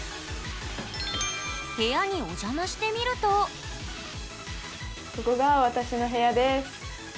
部屋にお邪魔してみるとここが私の部屋です。